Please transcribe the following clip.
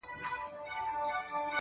په هغه ورځ به بس زما اختر وي_